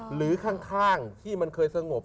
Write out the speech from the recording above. หรือข้างที่มันเคยสงบ